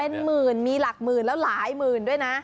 เป็นหมื่นมีหลักหมื่นแล้วหลายหมื่นด้วยนะ